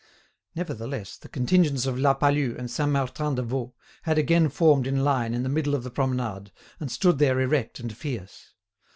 Nevertheless, the contingents of La Palud and Saint Martin de Vaulx had again formed in line in the middle of the promenade, and stood there erect and fierce.